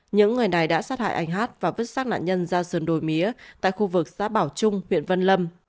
những người này đã sát hại anh hát và vứt sát nạn nhân ra sườn đồi mía tại khu vực xã bảo trung huyện văn lâm